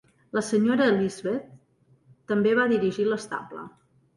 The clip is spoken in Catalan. La senyoreta Elizabeth també va dirigir l'estable.